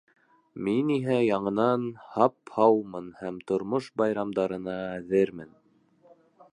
Мин иһә яңынан һап-һаумын һәм тормош байрамдарына әҙермен.